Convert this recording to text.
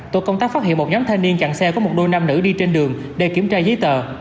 tổ công tác phát hiện một nhóm thanh niên chặn xe có một đôi nam nữ đi trên đường để kiểm tra giấy tờ